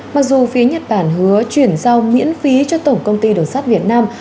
mặc dù phía nhật bản hứa chuyển giao miễn phí cho tổng công ty đường sắt việt nam